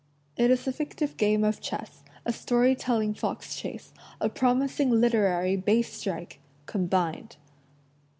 It is a fictive game of chess, a story telling foxchase, a promising literary bass strike — combined.